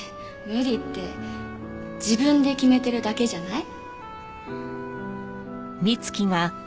無理って自分で決めてるだけじゃない？